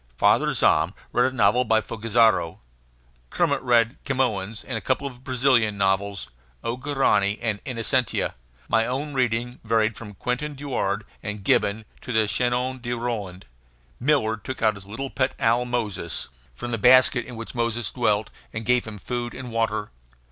Father Zahm read a novel by Fogazzaro. Kermit read Camoens and a couple of Brazilian novels, "O Guarani" and "Innocencia." My own reading varied from "Quentin Durward" and Gibbon to the "Chanson de Roland." Miller took out his little pet owl Moses, from the basket in which Moses dwelt, and gave him food and water.